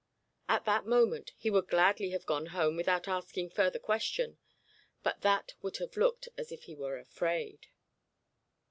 At that moment he would gladly have gone home without asking further question, but that would have looked as if he were afraid.